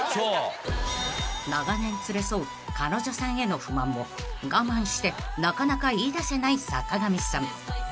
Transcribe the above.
［長年連れ添う彼女さんへの不満も我慢してなかなか言いだせない坂上さん］